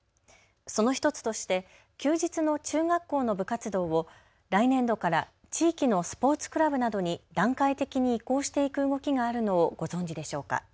その１つとして休日の中学校の部活動を来年度から地域のスポーツクラブなどに段階的に移行していく動きがあるのをご存じでしょうか。